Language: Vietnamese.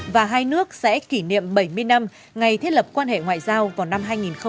và hai nước sẽ kỷ niệm bảy mươi năm ngày thiết lập quan hệ ngoại giao vào năm hai nghìn hai mươi